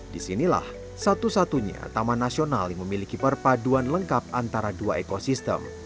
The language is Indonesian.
disinilah satu satunya taman nasional yang memiliki perpaduan lengkap antara dua ekosistem